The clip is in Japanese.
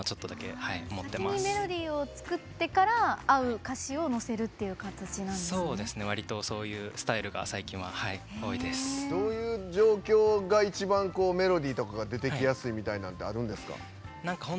先にメロディーを作ってから合う歌詞をのせるっていうわりとそういうスタイルがどういう状況がメロディーとかが出てきやすいとかあるんですか。